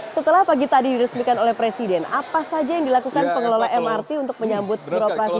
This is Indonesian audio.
setelah pagi tadi diresmikan oleh presiden apa saja yang dilakukan pengelola mrt untuk menyambut beroperasi